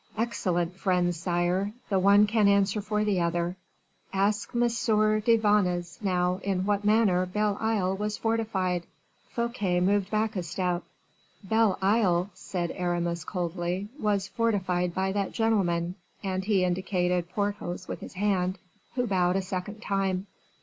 "Excellent friends, sire; the one can answer for the other. Ask M. de Vannes now in what manner Belle Isle was fortified?" Fouquet moved back a step. "Belle Isle," said Aramis, coldly, "was fortified by that gentleman," and he indicated Porthos with his hand, who bowed a second time.